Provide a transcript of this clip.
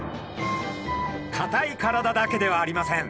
かたい体だけではありません。